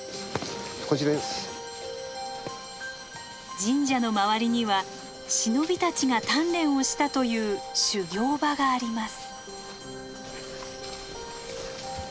神社の周りには忍びたちが鍛錬をしたという修行場があります。